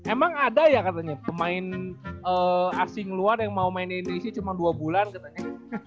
emang ada ya katanya pemain asing luar yang mau main di indonesia cuma dua bulan katanya